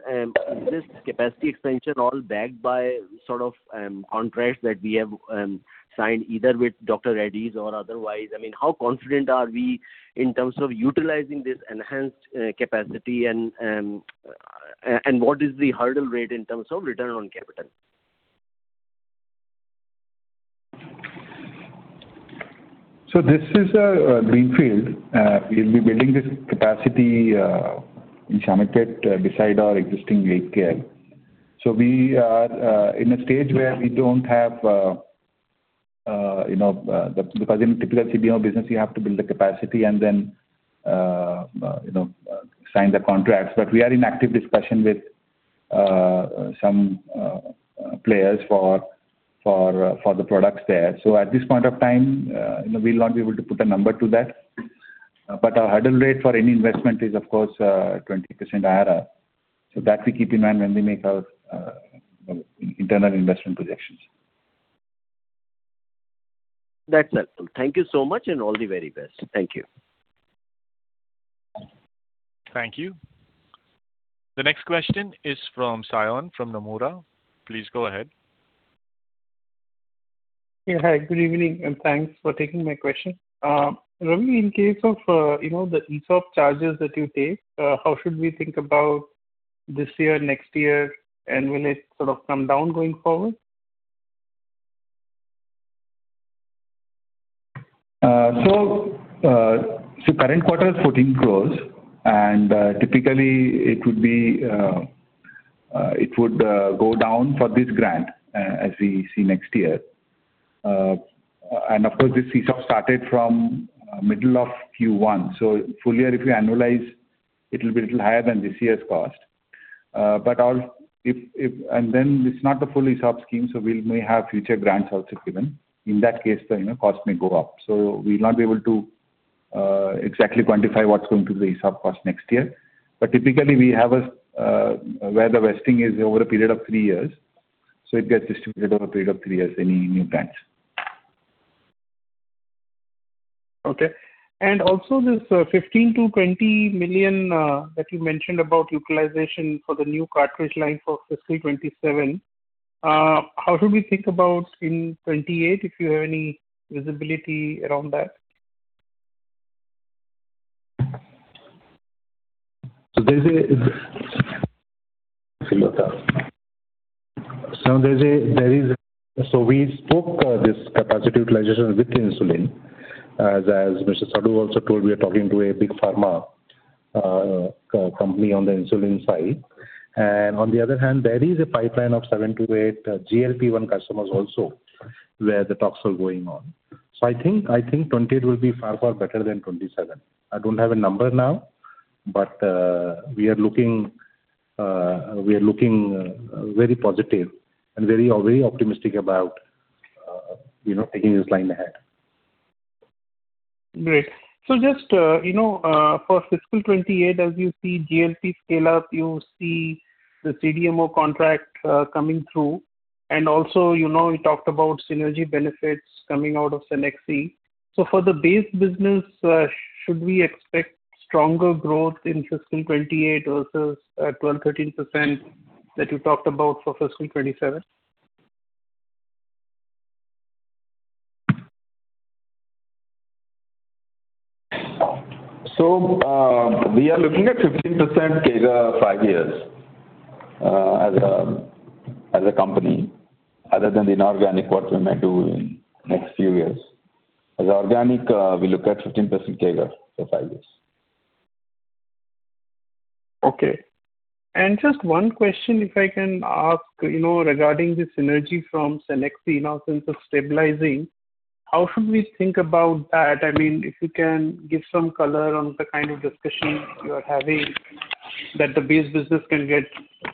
is this capacity expansion all backed by sort of contracts that we have signed either with Dr. Reddy's or otherwise? I mean, how confident are we in terms of utilizing this enhanced capacity and what is the hurdle rate in terms of return on capital? So this is a greenfield. We'll be building this capacity in Shamirpet, beside our existing 8 KL. So we are in a stage where we don't have you know, because in typical CDMO business, you have to build the capacity and then you know, sign the contracts. But we are in active discussion with some players for the products there. So at this point of time you know, we'll not be able to put a number to that but our hurdle rate for any investment is, of course, 20% IRR. So that we keep in mind when we make our internal investment projections. That's helpful. Thank you so much, and all the very best. Thank you. Thank you. The next question is from Saion from Nomura. Please go ahead. Yeah, hi, good evening, and thanks for taking my question. Ravi, in case of, you know, the ESOP charges that you take, how should we think about this year, next year, and will it sort of come down going forward? So, current quarter is 14 crore, and typically it would go down for this grant as we see next year. And of course, this ESOP started from middle of Q1, so full year, if you annualize, it'll be little higher than this year's cost. But, if... And then it's not the full ESOP scheme, so we may have future grants also given. In that case, the, you know, cost may go up. So we'll not be able to exactly quantify what's going to be the ESOP cost next year. But typically, we have a where the vesting is over a period of three years, so it gets distributed over a period of three years, any new grants. Okay. And also this, 15 million-20 million that you mentioned about utilization for the new cartridge line for fiscal 2027, how should we think about in 2028, if you have any visibility around that? So there is. So we spoke this capacity utilization with insulin. As Mr. Sadu also told, we are talking to a big pharma company on the insulin side. And on the other hand, there is a pipeline of 7-8 GLP-1 customers also, where the talks are going on. So I think 2028 will be far, far better than 2027. I don't have a number now, but we are looking very positive and very, very optimistic about, you know, taking this line ahead. Great. So just, you know, for fiscal 2028, as you see GLP scale up, you see the CDMO contract coming through, and also, you know, you talked about synergy benefits coming out of Cenexi. So for the base business, should we expect stronger growth in fiscal 2028 versus 12%-13% that you talked about for fiscal 2027? We are looking at 15% CAGR, five years, as a company, other than the inorganic what we may do in next few years. As organic, we look at 15% CAGR for five years. Okay. And just one question, if I can ask, you know, regarding the synergy from Cenexi now since it's stabilizing, how should we think about that? I mean, if you can give some color on the kind of discussions you are having, that the base business can get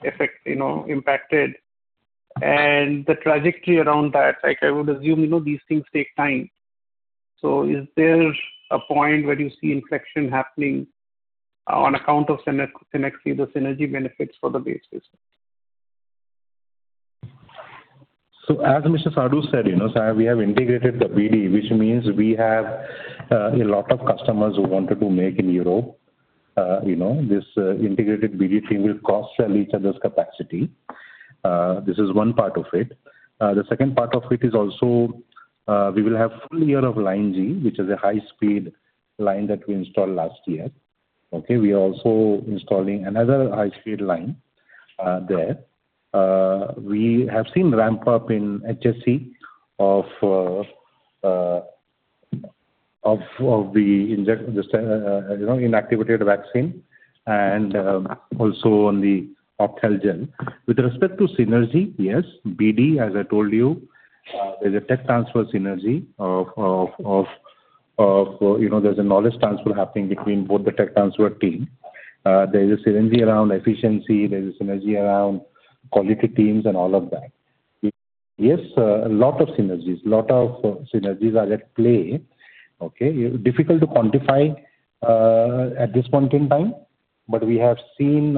affected, you know, impacted and the trajectory around that. Like, I would assume, you know, these things take time. So is there a point where you see inflection happening on account of Cenexi, the synergy benefits for the base business? So as Mr. Sadu said, you know, Saion, we have integrated the BD, which means we have a lot of customers who wanted to make in Europe, you know, this integrated BD team will cross-sell each other's capacity.... This is one part of it. The second part of it is also, we will have full year of Line G, which is a high-speed line that we installed last year. Okay? We are also installing another high-speed line there. We have seen ramp-up in HSC of the inactivated vaccine, you know, and also on the Opthalgel. With respect to synergy, yes, BD, as I told you, there's a tech transfer synergy, you know, there's a knowledge transfer happening between both the tech transfer team. There is a synergy around efficiency, there is a synergy around quality teams and all of that. Yes, a lot of synergies, lot of synergies are at play, okay? Difficult to quantify at this point in time, but we have seen...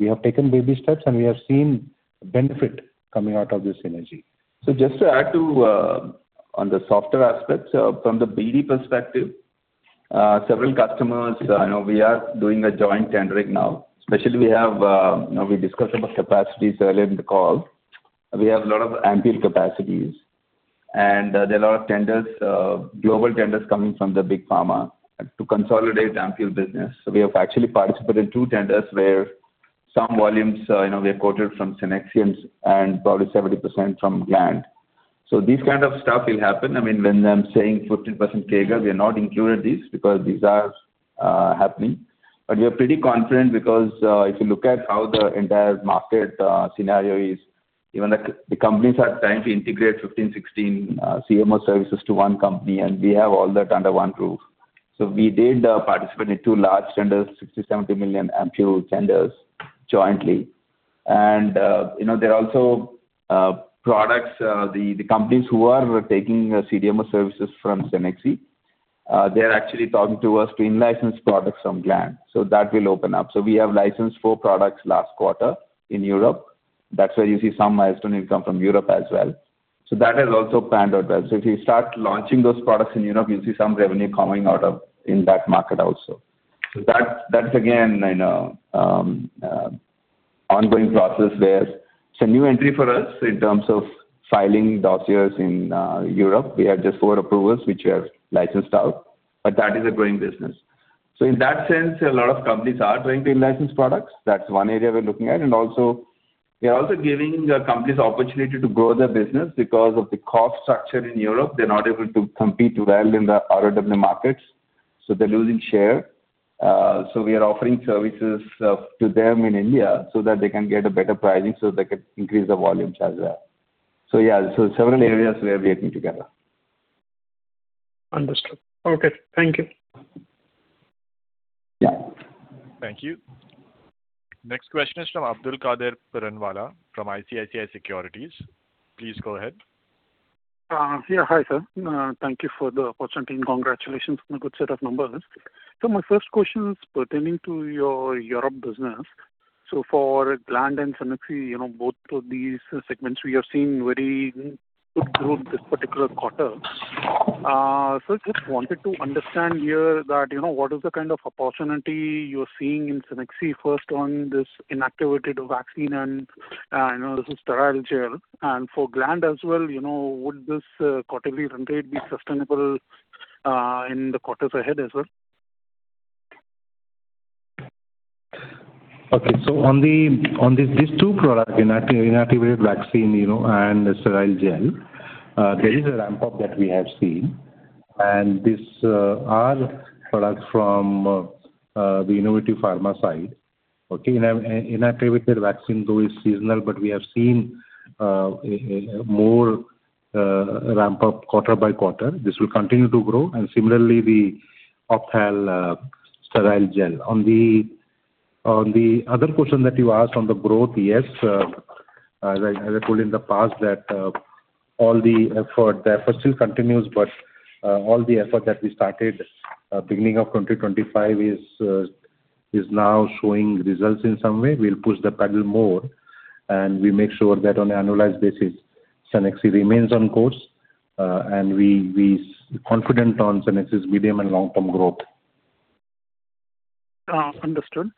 We have taken baby steps, and we have seen benefit coming out of this synergy. Just to add to on the softer aspects from the BD perspective, several customers, you know, we are doing a joint tendering now, especially we have, you know, we discussed about capacities earlier in the call. We have a lot of ampoule capacities, and there are a lot of tenders, global tenders coming from the big pharma to consolidate the ampoule business. So we have actually participated in two tenders where some volumes, you know, we have quoted from Cenexi and probably 70% from Gland. So these kind of stuff will happen. I mean, when I'm saying 15% CAGR, we have not included these because these are happening. But we are pretty confident because, if you look at how the entire market scenario is, even the companies are trying to integrate 15, 16 CMO services to one company, and we have all that under one roof. So we did participate in two large tenders, 60 million-70 million ampoule tenders jointly. And, you know, there are also products, the companies who are taking CDMO services from Cenexi, they're actually talking to us to in-license products from Gland. So that will open up. So we have licensed four products last quarter in Europe. That's why you see some milestone income from Europe as well. So that has also panned out well. So if you start launching those products in Europe, you'll see some revenue coming out of in that market also. So that's again, you know, ongoing process there. It's a new entry for us in terms of filing dossiers in Europe. We have just four approvals, which we have licensed out, but that is a growing business. So in that sense, a lot of companies are trying to in-license products. That's one area we're looking at, and also, we are also giving the companies opportunity to grow their business because of the cost structure in Europe, they're not able to compete well in the RoW markets, so they're losing share. So we are offering services to them in India so that they can get a better pricing, so they can increase the volumes as well. So yeah, so several areas we are working together. Understood. Okay, thank you. Yeah. Thank you. Next question is from Abdulkader Puranwala from ICICI Securities. Please go ahead. Yeah, hi, sir. Thank you for the opportunity and congratulations on a good set of numbers. So my first question is pertaining to your Europe business. So for Gland and Cenexi, you know, both of these segments, we are seeing very good growth this particular quarter. So just wanted to understand here that, you know, what is the kind of opportunity you're seeing in Cenexi, first, on this inactivated vaccine and, you know, this is sterile gel. And for Gland as well, you know, would this, quarterly run rate be sustainable, in the quarters ahead as well? Okay. So on these two products, inactivated vaccine, you know, and sterile gel, there is a ramp-up that we have seen, and these are products from the innovative pharma side. Okay, inactivated vaccine, though, is seasonal, but we have seen a more ramp-up quarter by quarter. This will continue to grow, and similarly, the ophthalmic sterile gel. On the other question that you asked on the growth, yes, as I told you in the past, that all the effort, the effort still continues, but all the effort that we started at beginning of 2025 is now showing results in some way. We'll push the pedal more, and we make sure that on an annualized basis, Cenexi remains on course, and we, we're confident on Cenexi's medium and long-term growth. Understood.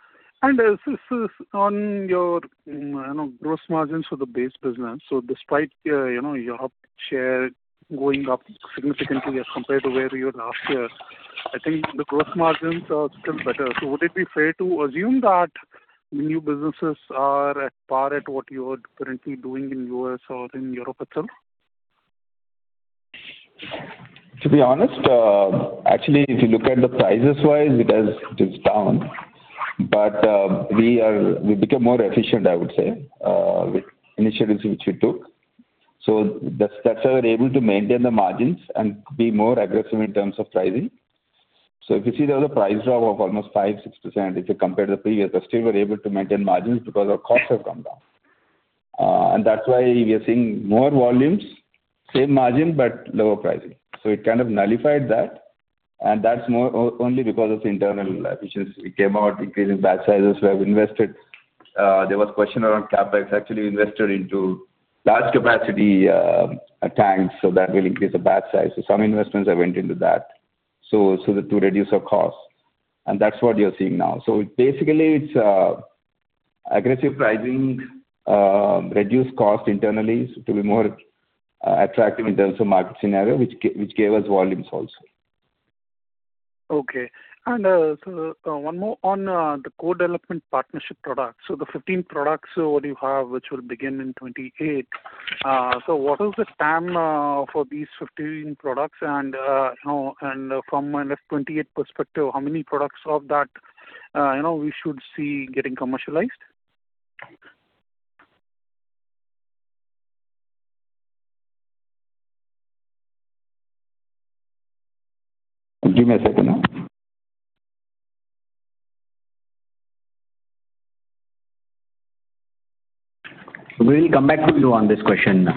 And this is on your, I know, gross margins for the base business. So despite, you know, your share going up significantly as compared to where you were last year, I think the gross margins are still better. So would it be fair to assume that new businesses are at par at what you are currently doing in U.S. or in Europe itself? To be honest, actually, if you look at the price-wise, it has just down. But, we become more efficient, I would say, with initiatives which we took. So that's, that's how we're able to maintain the margins and be more aggressive in terms of pricing. So if you see there was a price drop of almost 5%-6% if you compare to the previous year, but still we're able to maintain margins because our costs have come down. And that's why we are seeing more volumes, same margin, but lower pricing. So it kind of nullified that, and that's more only because of the internal initiatives. We came out increasing batch sizes, we have invested. There was a question around CapEx, actually, we invested into large capacity tanks, so that will increase the batch size. So some investments have went into that. So, to reduce our costs, and that's what you're seeing now. So basically, it's aggressive pricing, reduce cost internally to be more attractive in terms of market scenario, which gave us volumes also. Okay. And, so, one more on the co-development partnership products. So the 15 products what you have, which will begin in 2028, so what is the span for these 15 products? And, you know, and from an FY 2028 perspective, how many products of that, you know, we should see getting commercialized? Give me a second. We will come back to you on this question.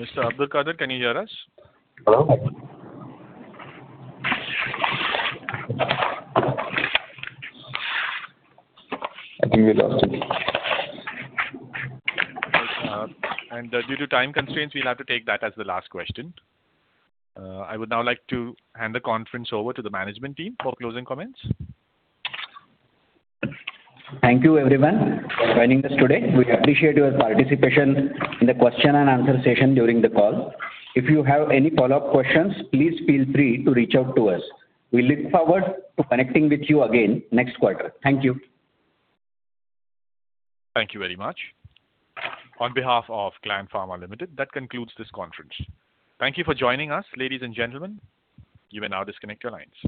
Can you hear us? Hello? Mr. Abdulkader, can you hear us? Hello? I think we lost him. Due to time constraints, we'll have to take that as the last question. I would now like to hand the conference over to the management team for closing comments. Thank you, everyone, for joining us today. We appreciate your participation in the question-and-answer session during the call. If you have any follow-up questions, please feel free to reach out to us. We look forward to connecting with you again next quarter. Thank you. Thank you very much. On behalf of Gland Pharma Ltd, that concludes this conference. Thank you for joining us, ladies and gentlemen. You may now disconnect your lines.